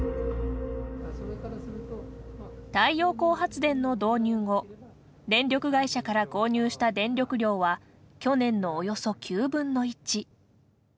太陽光発電の導入後電力会社から購入した電力量は去年のおよそ９分の１。